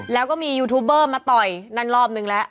แล้วก็มียูทูบเบอร์มาต่อยนั่นรอบนึงแล้ว